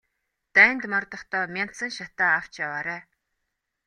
Дайнд мордохдоо мяндсан шатаа авч яваарай.